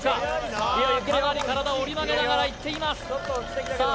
さあかなり体を折り曲げながらいっていますさあ